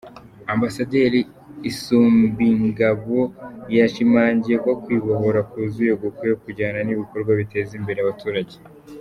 Ambasaderi Isumbingabo yashimangiye ko kwibohora kuzuye gukwiye kujyana n’ibikorwa biteza imbere abaturage.